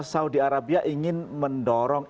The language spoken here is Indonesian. saudi arabia ingin mendorong